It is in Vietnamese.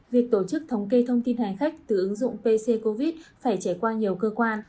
việc tổ chức thống kê thông tin hành khách từ ứng dụng pc covid phải trải qua nhiều cơ quan